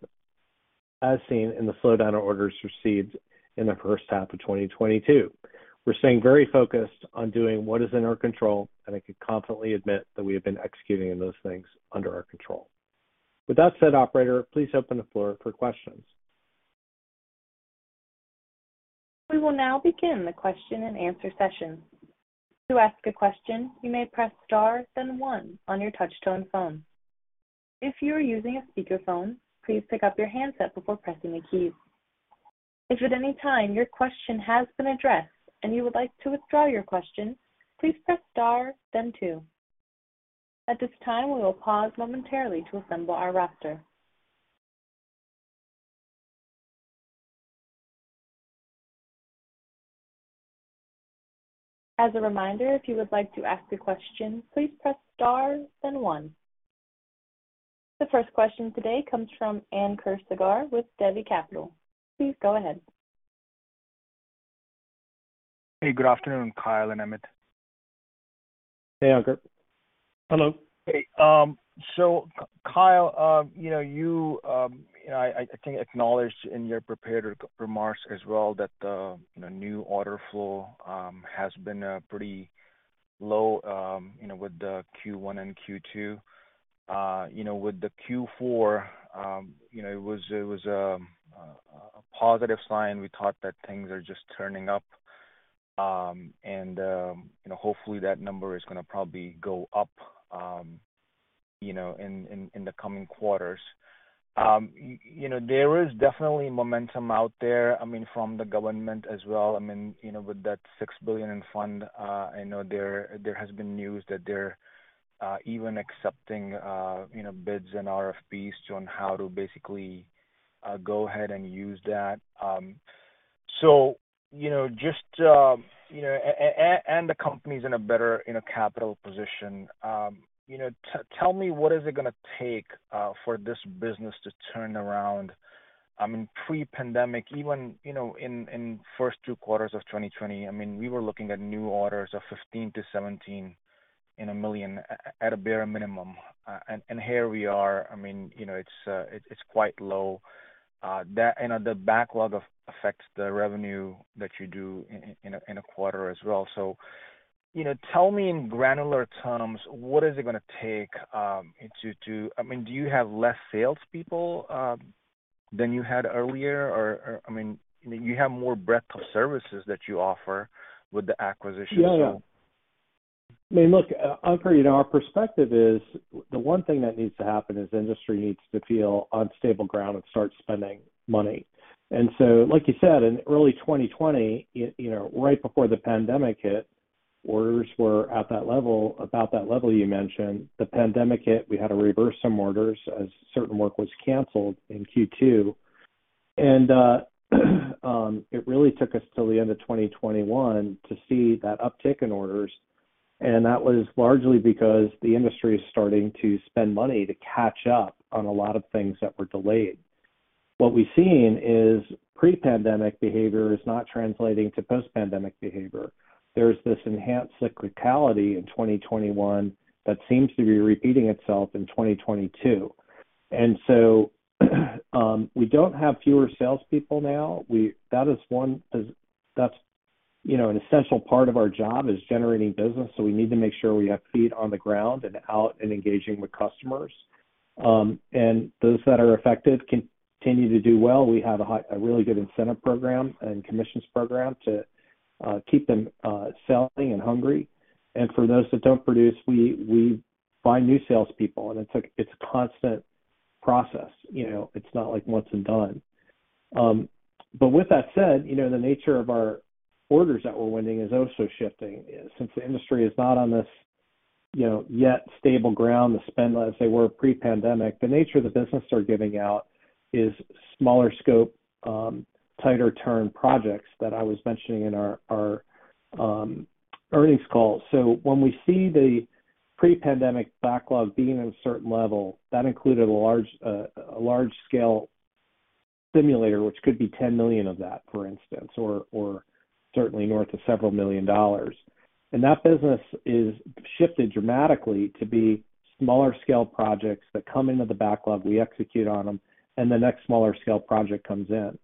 as seen in the slowdown of orders received in the first half of 2022. We're staying very focused on doing what is in our control, and I can confidently admit that we have been executing those things under our control. With that said, operator, please open the floor for questions. We will now begin the question-and-answer session. To ask a question, you may press star then one on your touch tone phone. If you are using a speakerphone, please pick up your handset before pressing a key. If at any time your question has been addressed and you would like to withdraw your question, please press star then two. At this time, we will pause momentarily to assemble our roster. As a reminder, if you would like to ask a question, please press star then one. The first question today comes from Ankur Sagar with Devi Capital. Please go ahead. Hey, good afternoon, Kyle and Emmett. Hey, Ankur. Hello. Hey, so Kyle, you know, you know, I think acknowledged in your prepared remarks as well that the, you know, new order flow has been pretty low, you know, with the Q1 and Q2. You know, with the Q4, you know, it was a positive sign. We thought that things are just turning up, and you know, hopefully that number is gonna probably go up, you know, in the coming quarters. You know, there is definitely momentum out there, I mean, from the government as well. I mean, you know, with that $6 billion in funding, I know there has been news that they're even accepting, you know, bids and RFPs on how to basically go ahead and use that. You know, just, you know, the company's in a better capital position. You know, tell me what is it gonna take for this business to turn around? I mean, pre-pandemic, even, you know, in first two quarters of 2020, I mean, we were looking at new orders of $15 million-$17 million at a bare minimum. Here we are. I mean, you know, it's quite low. You know, the backlog affects the revenue that you do in a quarter as well. You know, tell me in granular terms, what is it gonna take to. I mean, do you have less salespeople than you had earlier? Or, I mean, you have more breadth of services that you offer with the acquisition. Yeah, yeah. I mean, look, Ankur, you know, our perspective is the one thing that needs to happen is the industry needs to feel on stable ground and start spending money. Like you said, in early 2020, you know, right before the pandemic hit, orders were at that level, about that level you mentioned. The pandemic hit, we had to reverse some orders as certain work was canceled in Q2. It really took us till the end of 2021 to see that uptick in orders, and that was largely because the industry is starting to spend money to catch up on a lot of things that were delayed. What we've seen is pre-pandemic behavior is not translating to post-pandemic behavior. There's this enhanced cyclicality in 2021 that seems to be repeating itself in 2022. We don't have fewer salespeople now. That's, you know, an essential part of our job, is generating business, so we need to make sure we have feet on the ground and out and engaging with customers. Those that are effective continue to do well. We have a really good incentive program and commissions program to keep them selling and hungry. For those that don't produce, we find new salespeople, and it's a constant process, you know? It's not like once and done. With that said, you know, the nature of our orders that we're winning is also shifting. Since the industry is not on this, you know, yet stable ground to spend as they were pre-pandemic, the nature of the business they're giving out is smaller scope, tighter turn projects that I was mentioning in our earnings call. When we see the pre-pandemic backlog being at a certain level, that included a large-scale simulator, which could be $10 million of that, for instance, or certainly north of several million dollars. That business is shifted dramatically to be smaller scale projects that come into the backlog, we execute on them, and the next smaller scale project comes in.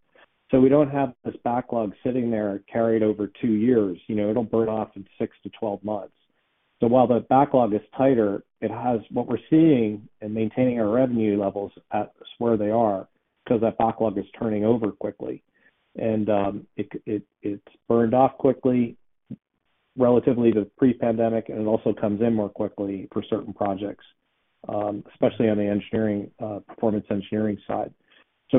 We don't have this backlog sitting there carried over two years. You know, it'll burn off in six to 12 months. While the backlog is tighter, what we're seeing in maintaining our revenue levels at where they are is 'cause that backlog is turning over quickly. It's burned off quickly relative to pre-pandemic, and it also comes in more quickly for certain projects, especially on the engineering, Performance Engineering side. I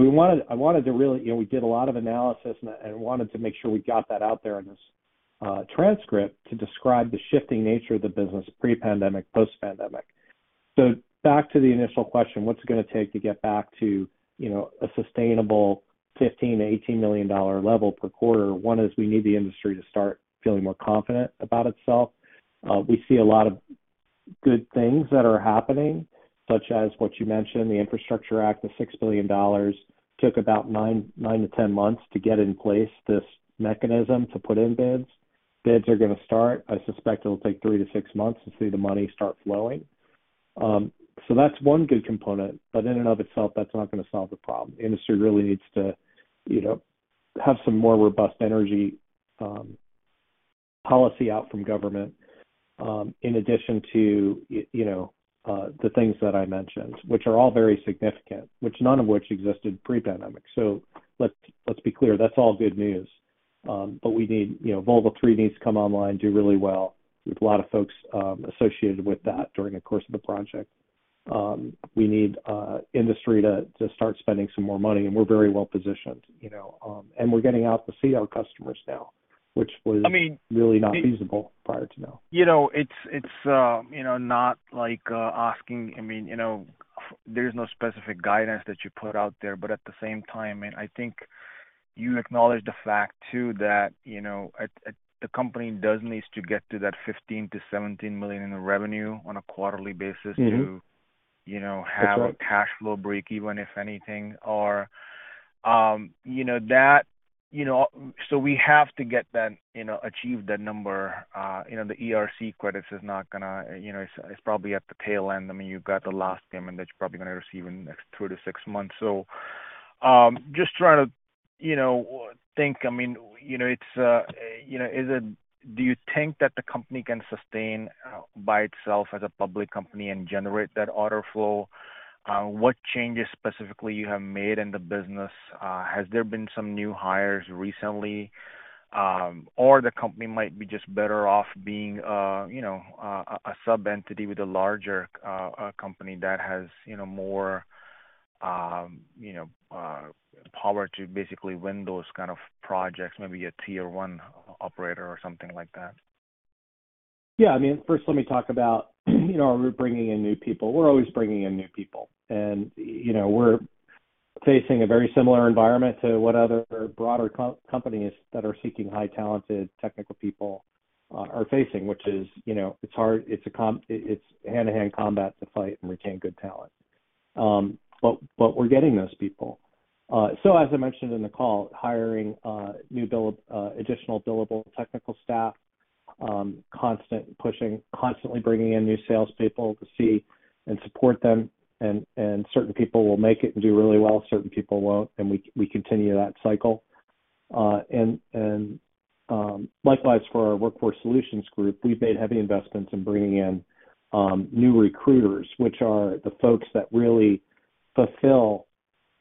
wanted to really, you know, we did a lot of analysis, and I wanted to make sure we got that out there in this transcript to describe the shifting nature of the business pre-pandemic, post-pandemic. Back to the initial question, what's it gonna take to get back to, you know, a sustainable $15 million-$18 million level per quarter? One is we need the industry to start feeling more confident about itself. We see a lot of good things that are happening, such as what you mentioned, the Infrastructure Act, the $6 billion, took about nine to ten months to get in place this mechanism to put in bids. Bids are gonna start. I suspect it'll take three to six months to see the money start flowing. So that's one good component, but in and of itself, that's not gonna solve the problem. The industry really needs to, you know, have some more robust energy policy out from government, in addition to, you know, the things that I mentioned, which are all very significant, none of which existed pre-pandemic. Let's be clear, that's all good news. But we need, you know, Vogtle 3 needs to come online, do really well. There's a lot of folks associated with that during the course of the project. We need industry to start spending some more money, and we're very well-positioned, you know, and we're getting out to see our customers now, which was. I mean. Really not feasible prior to now. You know, it's not like asking. I mean, you know, there's no specific guidance that you put out there. But at the same time, I think you acknowledge the fact too that, you know, a company does need to get to that $15 million-$17 million in revenue on a quarterly basis. Mm-hmm. -to, you know, have- That's right. A cash flow breakeven, if anything, or, you know, that, you know. We have to get that, you know, achieve that number. You know, the ERC credits is not gonna, you know, it's probably at the tail end. I mean, you've got the last payment that you're probably gonna receive in the next two to six months. Just trying to, you know, think. I mean, you know, it's, you know, do you think that the company can sustain by itself as a public company and generate that order flow? What changes specifically you have made in the business? Has there been some new hires recently, or the company might be just better off being, you know, a sub-entity with a larger company that has, you know, more, you know, power to basically win those kinds of projects, maybe a tier one operator or something like that? Yeah. I mean, first let me talk about, you know, are we bringing in new people. We're always bringing in new people. You know, we're facing a very similar environment to what other broader companies that are seeking highly talented technical people are facing, which is, you know, it's hard. It's hand-to-hand combat to fight and retain good talent. But we're getting those people. So, as I mentioned in the call, hiring new billable, additional billable technical staff, constant pushing, constantly bringing in new salespeople to see and support them, and certain people will make it and do really well, certain people won't, and we continue that cycle. Likewise for our Workforce Solutions group, we've made heavy investments in bringing in new recruiters, which are the folks that really fulfill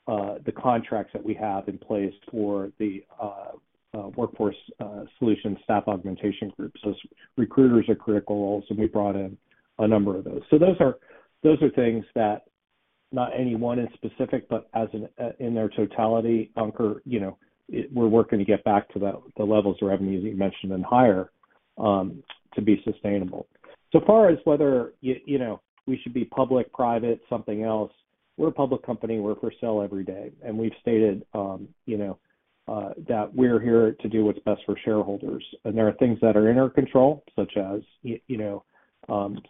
the contracts that we have in place for the Workforce Solution staff augmentation group. Recruiters are critical also, we brought in a number of those. Those are things that not any one in specific, but as an in their totality, Ankur, you know, we're working to get back to the levels of revenues that you mentioned and higher to be sustainable. As far as whether you know we should be public, private, something else, we're a public company, we're for sale every day. We've stated you know that we're here to do what's best for shareholders. There are things that are in our control, such as, you know,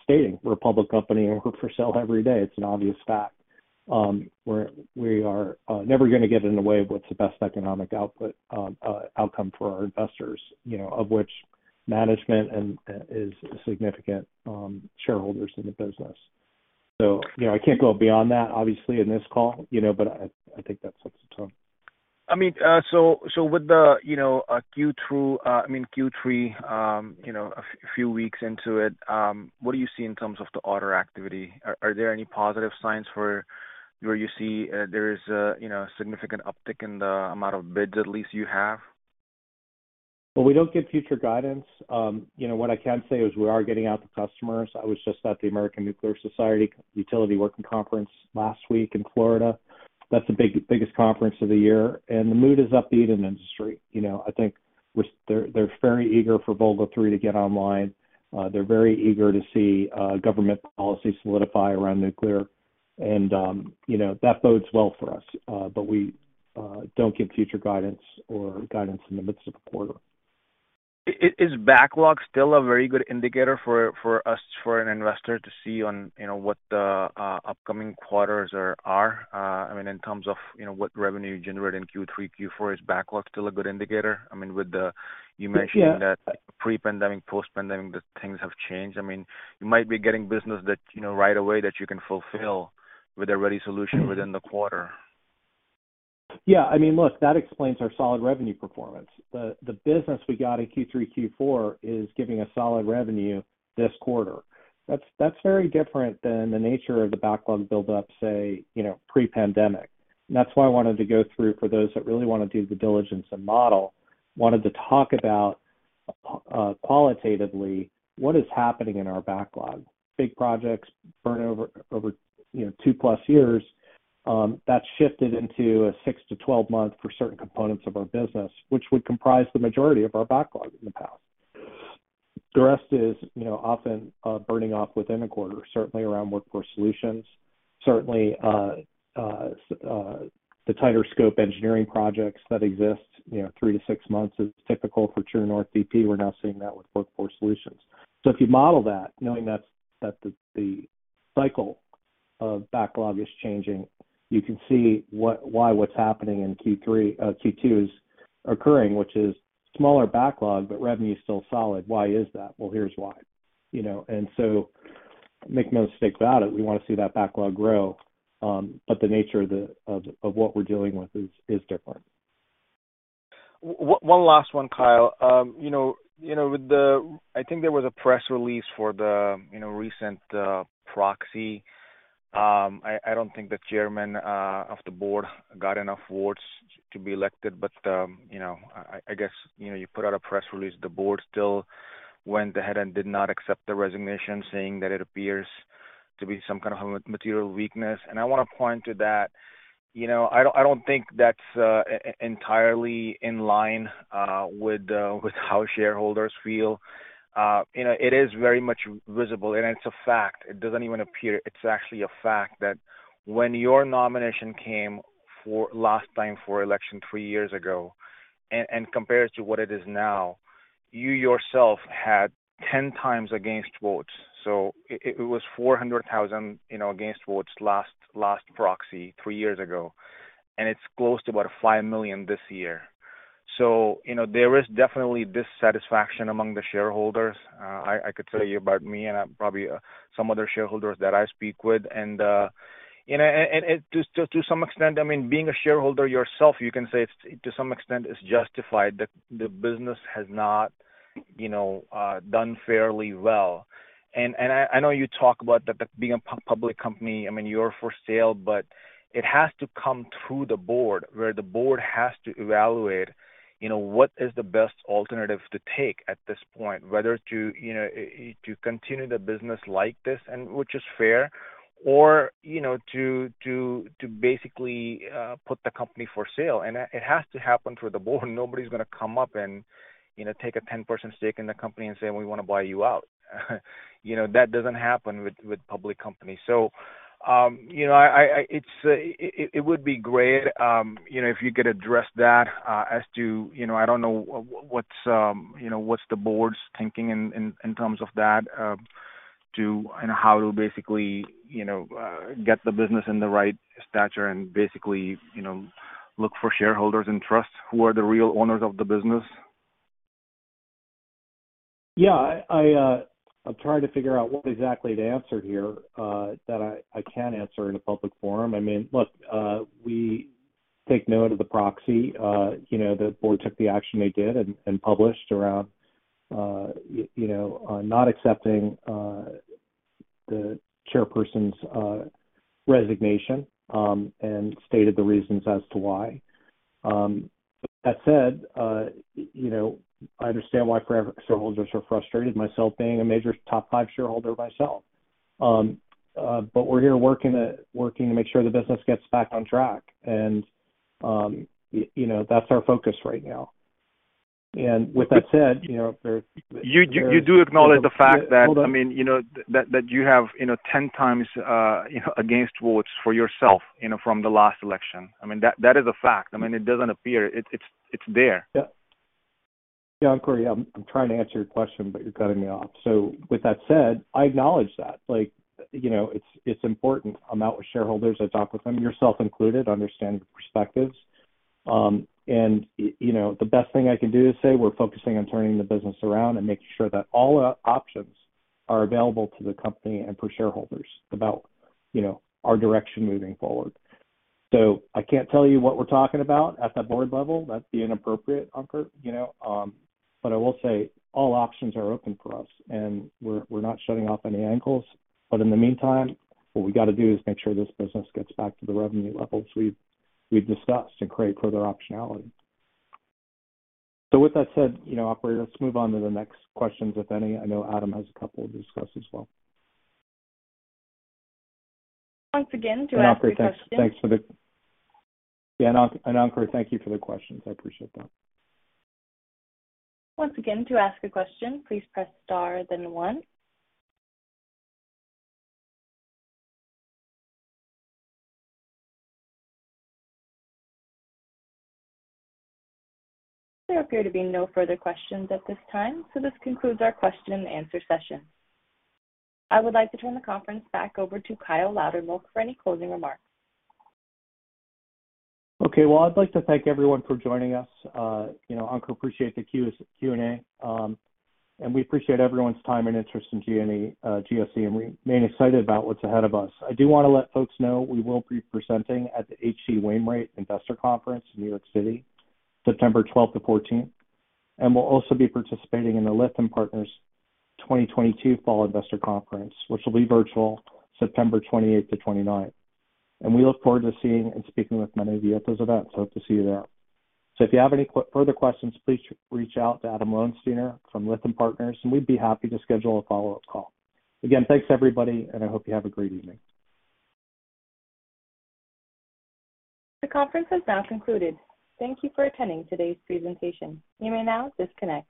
stating we're a public company and we're for sale every day. It's an obvious fact. We're never gonna get in the way of what's the best economic outcome for our investors, you know, of which management and are significant shareholders in the business. You know, I can't go beyond that obviously in this call, you know, but I think that sets the tone. I mean, so with the, you know, Q3, you know, a few weeks into it, what do you see in terms of the order activity? Are there any positive signs for where you see there is a, you know, significant uptick in the amount of bids at least you have? Well, we don't give future guidance. You know, what I can say is we are getting out to customers. I was just at the American Nuclear Society Utility Working Conference last week in Florida. That's the biggest conference of the year, and the mood is upbeat in the industry. You know, I think they're very eager for Vogtle 3 to get online. They're very eager to see government policy solidify around nuclear. You know, that bodes well for us. We don't give future guidance or guidance in the midst of a quarter. Is backlog still a very good indicator for us, for an investor to see on, you know, what the upcoming quarters are? I mean, in terms of, you know, what revenue you generate in Q3, Q4. Is backlog still a good indicator? I mean, with the Yeah. You mentioning that pre-pandemic, post-pandemic, the things have changed. I mean, you know, right away that you can fulfill with a ready solution within the quarter. Yeah. I mean, look, that explains our solid revenue performance. The business we got in Q3, Q4 is giving a solid revenue this quarter. That's very different than the nature of the backlog buildup, say, you know, pre-pandemic. That's why I wanted to go through for those that really wanna do the diligence and model, wanted to talk about qualitatively what is happening in our backlog. Big projects burn over, you know, 2+ years, that's shifted into a six to 12 month for certain components of our business, which would comprise the majority of our backlog in the past. The rest is, you know, often burning off within a quarter, certainly around Workforce Solutions. Certainly, the tighter scope engineering projects that exist, you know, three to six months is typical for True North. We're now seeing that with Workforce Solutions. If you model that knowing that's that the cycle of backlog is changing, you can see why what's happening in Q3, Q2 is occurring, which is smaller backlog, but revenue is still solid. Why is that? Well, here's why. You know, make no mistake about it, we wanna see that backlog grow, but the nature of what we're dealing with is different. One last one, Kyle. You know, with the, I think there was a press release for the, you know, recent proxy. I don't think the chairman of the board got enough votes to be elected, but, you know, I guess, you know, you put out a press release, the board still went ahead and did not accept the resignation, saying that it appears to be some kind of material weakness. I wanna point to that. You know, I don't think that's entirely in line with how shareholders feel. You know, it is very much visible, and it's a fact. It doesn't even appear. It's actually a fact that when your nomination came up for election three years ago and compared to what it is now, you yourself had 10x against votes. It was 400,000, you know, against votes last proxy three years ago, and it's close to about five million this year. You know, there is definitely dissatisfaction among the shareholders. I could tell you about me and probably some other shareholders that I speak with. And to some extent, I mean, being a shareholder yourself, you can say it's to some extent justified that the business has not, you know, done fairly well. I know you talk about that being a public company. I mean, you're for sale, but it has to come through the board, where the board has to evaluate, you know, what is the best alternative to take at this point, whether to, you know, to continue the business like this and which is fair or, you know, to basically put the company for sale. It has to happen through the board. Nobody's gonna come up and, you know, take a 10% stake in the company and say, "We wanna buy you out." You know, that doesn't happen with public companies. It would be great, you know, if you could address that as to, you know, I don't know, you know, what's the board's thinking in terms of that too and how to basically, you know, get the business in the right stature and basically, you know, look for shareholders and trusts who are the real owners of the business. Yeah. I'm trying to figure out what exactly to answer here, that I can answer in a public forum. I mean, look, we take note of the proxy. You know, the board took the action they did and published around, you know, not accepting the chairperson's resignation, and stated the reasons as to why. That said, you know, I understand why forever shareholders are frustrated, myself being a major top five shareholder myself. But we're here working to make sure the business gets back on track. You know, that's our focus right now. With that said, you know, there- You do acknowledge the fact that. Hold on. I mean, you know, that you have, you know, 10x, you know, against votes for yourself, you know, from the last election. I mean, that is a fact. I mean, it doesn't appear. It's there. Yeah. Yeah, Ankur, I'm trying to answer your question, but you're cutting me off. With that said, I acknowledge that. Like, you know, it's important. I'm out with shareholders. I talk with them, yourself included, understand the perspectives. You know, the best thing I can do is say we're focusing on turning the business around and making sure that all options are available to the company and for shareholders about, you know, our direction moving forward. I can't tell you what we're talking about at the board level. That'd be inappropriate, Ankur, you know. I will say all options are open for us, and we're not shutting off any angles. In the meantime, what we gotta do is make sure this business gets back to the revenue levels we've discussed and create further optionality. With that said, you know, operator, let's move on to the next questions, if any. I know Adam has a couple to discuss as well. Once again, to ask a question. Ankur, thank you for the questions. I appreciate that. Once again, to ask a question, please press star then one. There appear to be no further questions at this time, so this concludes our question-and-answer session. I would like to turn the conference back over to Kyle Loudermilk for any closing remarks. Okay. Well, I'd like to thank everyone for joining us. You know, Ankur, I appreciate the Q&A. We appreciate everyone's time and interest in GSE, and we remain excited about what's ahead of us. I do wanna let folks know we will be presenting at the H.C. Wainwright Investor Conference in New York City, September 12 to 14. We'll also be participating in the Lytham Partners Fall 2022 Investor Conference, which will be virtual, September 28 to 29. We look forward to seeing and speaking with many of you at those events. I hope to see you there. If you have any further questions, please reach out to Adam Lowensteiner from Lytham Partners, and we'd be happy to schedule a follow-up call. Again, thanks everybody, and I hope you have a great evening. The conference is now concluded. Thank you for attending today's presentation. You may now disconnect.